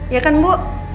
ya kan bu